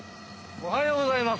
おはようございます！